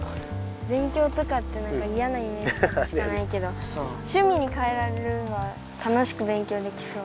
べん強とかってなんかいやなイメージとかしかないけどしゅみにかえられるのは楽しくべん強できそう。